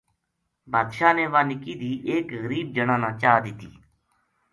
بادشاہ نے واہ نِکی دھی ایک غریب جنا نا دِتّی